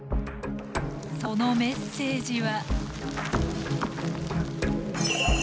そのメッセージは。